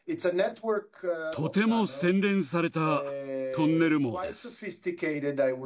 とても洗練されたトンネル網です。